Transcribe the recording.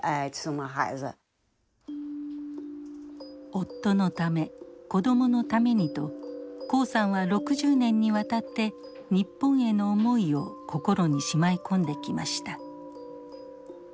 夫のため子どものためにと黄さんは６０年にわたって日本への思いを心にしまい込んできました。